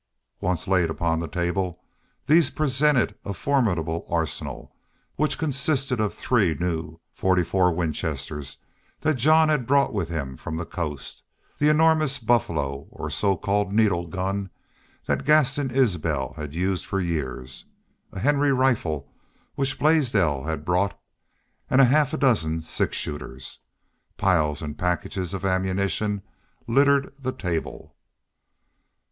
Once laid upon the table these presented a formidable arsenal, which consisted of the three new .44 Winchesters that Jean had brought with him from the coast; the enormous buffalo, or so called "needle" gun, that Gaston Isbel had used for years; a Henry rifle which Blaisdell had brought, and half a dozen six shooters. Piles and packages of ammunition littered the table.